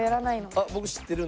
あっ僕知ってる。